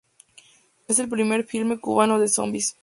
Es el primer filme cubano de zombis.